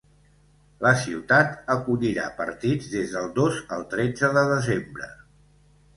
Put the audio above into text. La ciutat acollirà partits des del dos al tretze de desembre.